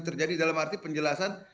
terjadi dalam arti penjelasan